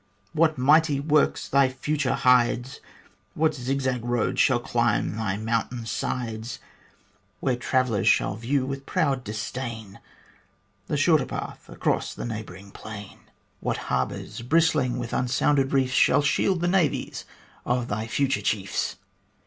what mighty works thy future hides ! What zigzag roads shall climb thy mountain sides ! Where travellers shall view with proud disdain The shorter path across the neighbouring plain ! THE FOUNDING OF THE COLONY 49 What harbours bristling with unsounded reefs Shall shield the Navies of thy future chiefs